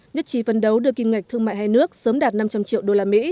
nhất trí phấn đấu đưa kinh ngạch thương mại hai nước sớm đạt năm trăm linh triệu usd